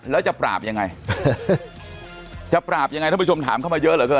แล้วจะปราบยังไงจะปราบยังไงท่านผู้ชมถามเข้ามาเยอะเหลือเกิน